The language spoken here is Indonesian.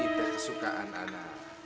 ini tersukaan ana